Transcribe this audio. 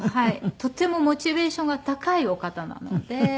とてもモチベーションが高いお方なので。